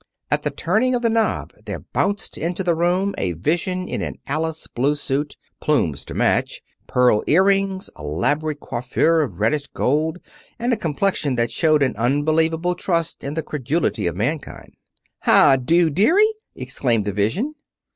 At the turning of the knob there bounced into the room a vision in an Alice blue suit, plumes to match, pearl earrings, elaborate coiffure of reddish gold and a complexion that showed an unbelievable trust in the credulity of mankind. "How do, dearie!" exclaimed the vision.